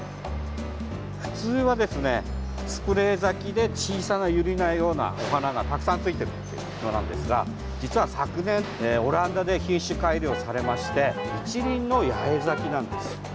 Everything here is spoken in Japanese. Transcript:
普通はですね、スプレー咲きで小さなユリのようなお花がたくさんついてるものなんですが実は昨年、オランダで品種改良されまして１輪の八重咲きなんです。